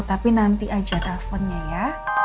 saya jatah telfonnya ya